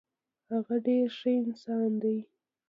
هغه ډیر ښه انسان دی.